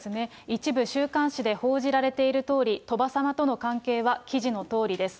一部週刊誌で報じられているとおり、鳥羽様との関係は記事のとおりです。